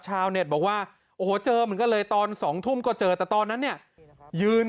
ชาวเน็ตบอกว่าโอ้โหเจอเหมือนกันเลยตอน๒ทุ่มก็เจอแต่ตอนนั้นเนี่ยยืน